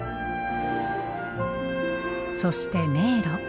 そして迷路。